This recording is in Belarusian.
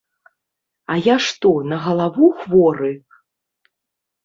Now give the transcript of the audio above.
А я што, на галаву хворы?